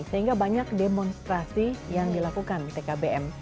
sehingga banyak demonstrasi yang dilakukan tkbm